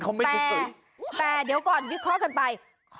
แต่แต่เดี๋ยวก่อนวิเคราะห์ก่อนไป